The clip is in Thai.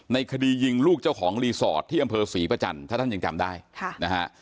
ในคดียิงลูกเจ้าของรีสอร์ทที่อำเภอศรีประจันทร์ถ้าท่านยังจำได้ค่ะนะฮะ